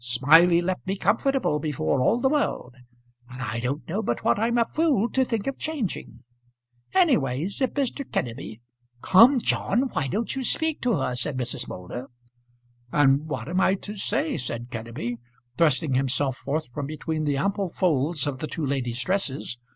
Smiley left me comfortable before all the world, and I don't know but what I'm a fool to think of changing. Anyways if Mr. Kenneby " "Come, John. Why don't you speak to her?" said Mrs. Moulder. "And what am I to say?" said Kenneby, thrusting himself forth from between the ample folds of the two ladies' dresses.